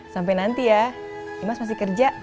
sampai nanti ya dimas masih kerja